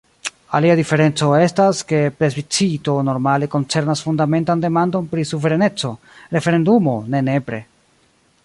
Alia diferenco estas, ke plebiscito normale koncernas fundamentan demandon pri suvereneco, referendumo ne nepre.